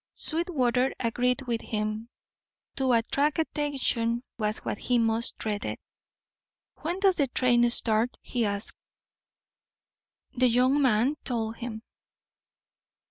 Sweetwater agreed with. him. To attract attention was what he most dreaded. "When does the train start?" he asked. The young man told him.